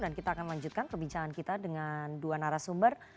dan kita akan lanjutkan perbincangan kita dengan dua narasumber